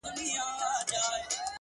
په کټ کټ به یې په داسي زور خندله!.